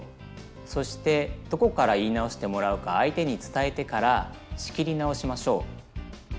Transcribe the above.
そしてどこから言いなおしてもらうか相手に伝えてから仕切りなおしましょう。